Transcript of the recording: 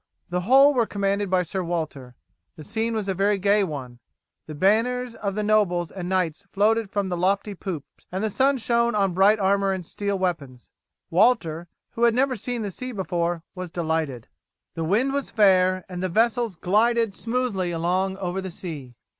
The whole were commanded by Sir Walter. The scene was a very gay one. The banners of the nobles and knights floated from the lofty poops, and the sun shone on bright armour and steel weapons. Walter, who had never seen the sea before, was delighted. The wind was fair, and the vessels glided smoothly along over the sea.